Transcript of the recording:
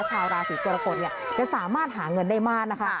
ชาวราศีกรกฎจะสามารถหาเงินได้มากนะคะ